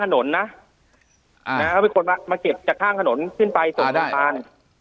ข้างถนนนะอ่าเขาเป็นคนมามาเก็บจากข้างถนนขึ้นไปอ่าได้ส่วนแบบนั้น